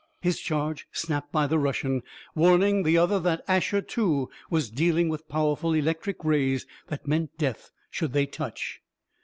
His charge snapped by the Russian, warning the other that Asher, too, was dealing with powerful electric rays that meant death should they touch.